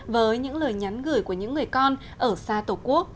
với những lời nhắn gửi của những người con ở xa tổ quốc